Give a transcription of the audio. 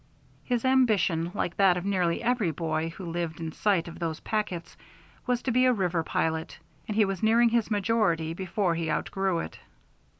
His ambition, like that of nearly every boy who lived in sight of those packets, was to be a river pilot, and he was nearing his majority before he outgrew it.